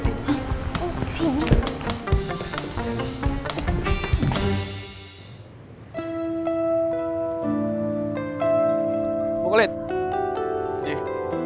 udah udah curhatnya nanti ya